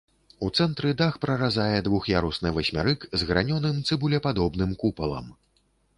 У цэнтры дах праразае двух'ярусны васьмярык з гранёным цыбулепадобным купалам.